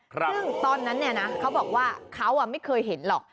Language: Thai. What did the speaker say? ซึ่งตอนนั้นเนี่ยนะเขาบอกว่าเขาไม่เคยเห็นหรอก